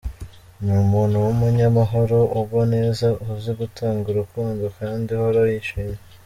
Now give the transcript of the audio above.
Ni umuntu w’umunyamahoro, ugwa neza, uzi gutanga urukundo kandi uhora yishimye.